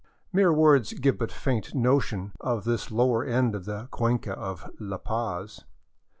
Mere words give but a faint no tion of this lower end of the cuenca of La Paz.